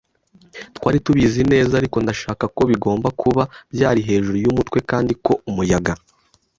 twari tubizi neza, ariko ndashaka ko bigomba kuba byari hejuru yumutwe kandi ko umuyaga